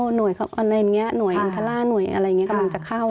หน่วยอันทราหน่วยอะไรอย่างนี้กำลังจะเข้า